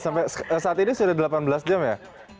sampai saat ini sudah delapan belas jam ya